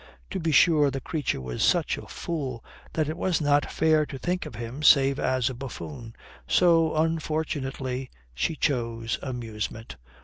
To be sure the creature was such a fool that it was not fair to think of him save as a buffoon. So unfortunately she chose amusement.